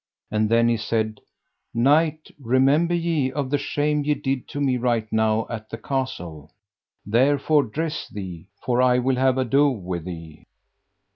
And then he said: Knight, remember ye of the shame ye did to me right now at the castle, therefore dress thee, for I will have ado with thee.